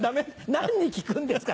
何に効くんですか